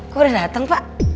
kok udah dateng pak